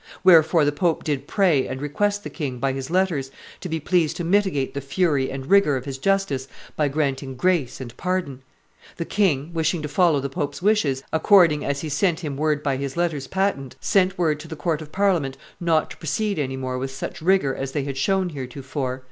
Wherefore the pope did pray and request the king, by his letters, to be pleased to mitigate the fury and rigor of his justice by granting grace and pardon. The king, wishing to follow the pope's wishes, according as he had sent him word by his letters patent, sent word to the court of Parliament not to proceed any more with such rigor as they had shown heretofore.